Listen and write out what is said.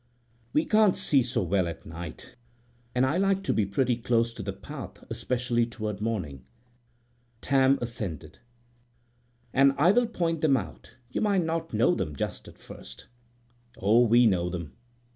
"We can't see so well at night, and I like to be pretty close to the path, especially toward morning." < 8 > Tam assented. "And I will point them out. You might not know them just at first." "Oh, we know them.